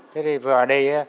thế thì vào đây